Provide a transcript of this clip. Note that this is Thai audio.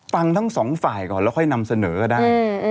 ฟังทั้งสองฝ่ายก่อนแล้วค่อยนำเสนอก็ได้